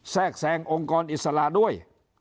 แทรกแทรงองค์กรอิสระด้วย